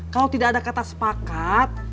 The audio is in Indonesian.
kalau tidak ada kata sepakat